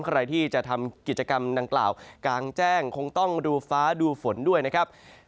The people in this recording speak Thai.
ใครที่จะทำกิจกรรมดังกล่าวกลางแจ้งคงต้องดูฟ้าดูฝนด้วยนะครับ